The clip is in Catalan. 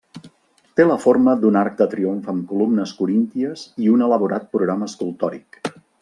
Té la forma d'un arc de triomf amb columnes corínties i un elaborat programa escultòric.